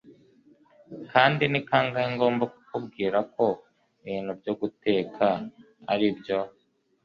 kandi ni kangahe ngomba kukubwira ko ibintu byo guteka aribyo